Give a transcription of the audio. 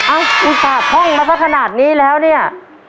อ้าวคุณสระท่องมาสักขนาดนี้แล้วเนี่ย